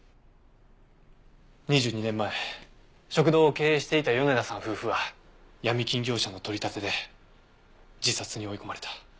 ２２年前食堂を経営していた米田さん夫婦はヤミ金業者の取り立てで自殺に追い込まれた。